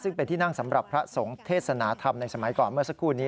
ซึ่งเป็นที่นั่งสำหรับพระสงฆ์เทศนาธรรมในสมัยก่อนเมื่อสักครู่นี้